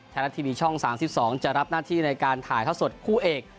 ไทยรัฐทีวีช่อง๓๒จะรับหน้าที่ในการถ่ายเท่าสดคู่เอก